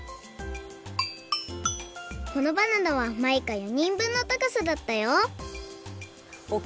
このバナナはマイカ４にんぶんのたかさだったよ！